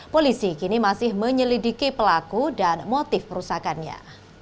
polisi kini masih menyelidiki pelaku dan motif perusahaannya